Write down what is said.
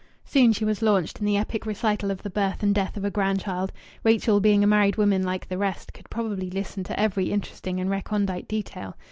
Soon she was launched in the epic recital of the birth and death of a grandchild; Rachel, being a married women like the rest, could properly listen to every interesting and recondite detail.